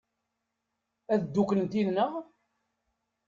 Ad dduklent yid-neɣ?